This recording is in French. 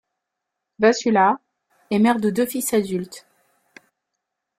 Vassula est mère de deux fils adultes.